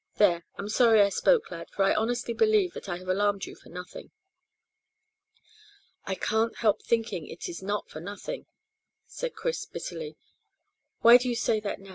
There, I'm sorry I spoke, lad, for I honestly believe that I have alarmed you for nothing." "I can't help thinking it is not for nothing," said Chris bitterly. "Why do you say that now?